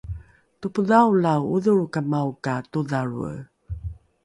topodhaolae odholrokamao ka todhalroe